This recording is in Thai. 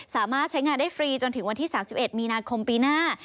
สามารถใช้งานได้ฟรีจนถึงวันที่๓๑มีนาคมปีหน้า